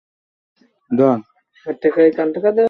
বীরের মতো মরার কথা বলতে এসেছে রে।